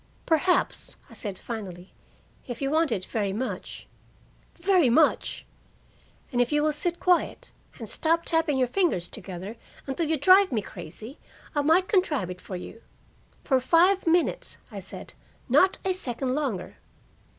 "Perhaps," I said finally, "if you want it very much " "Very much!" "And if you will sit quiet, and stop tapping your fingers together until you drive me crazy, I might contrive it for you. For five minutes," I said. "Not a second longer."